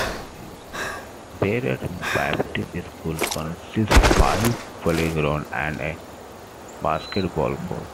Beirut Baptist School consists five playgrounds and a basketball court.